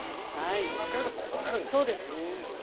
うまくやるとこうなるんですね。